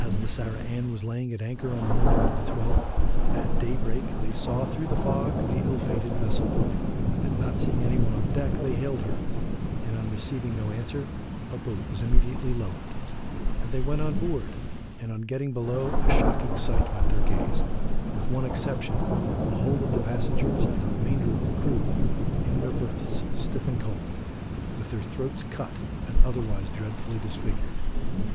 As the Sarah Ann was laying at anchor on the morning of the 12th, at day break they saw through the fog the ill fated vessel, and not seeing any one on deck they hailed her, and on receiving no answer a boat was immediately lowered, and they went on board, and on getting below a shocking sight met their gaze, with one exception the whole of the passengers and the remainder of the crew were in their berths stiff and cold, with their throats cut, and otherwise dreadfully disfigured.